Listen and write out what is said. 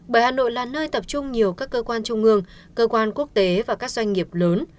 bởi hà nội là nơi tập trung nhiều các cơ quan trung ương cơ quan quốc tế và các doanh nghiệp lớn